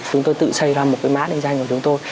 chúng tôi tự xây ra một cái mã định danh của chúng tôi